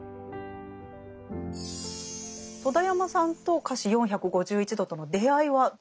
戸田山さんと「華氏４５１度」との出会いは？